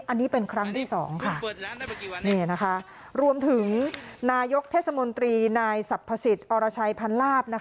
อันนี้เป็นครั้งที่สองค่ะนี่นะคะรวมถึงนายกเทศมนตรีนายสรรพสิทธิ์อรชัยพันลาบ